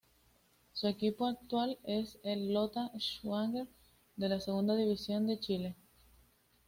Su equipo actual es el Lota Schwager de la Segunda División de Chile.